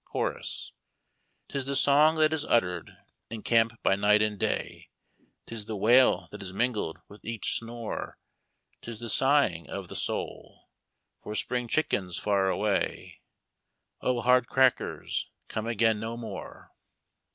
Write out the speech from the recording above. "— Chokus. 'Tis the song that is uttered In camp by night and day, 'Tis the wail that is mingled with each snore, 'Tis the sighing of the soul For spring chickens far away, " O hard crackers, come again no more